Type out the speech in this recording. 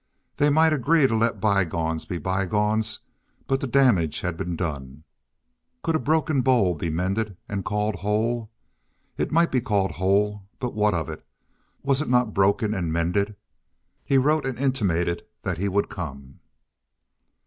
They might agree to let by gones be by gones, but the damage had been done. Could a broken bowl be mended and called whole? It might be called whole, but what of it? Was it not broken and mended? He wrote and intimated that he would come.